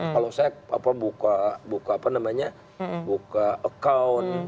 kalau saya buka account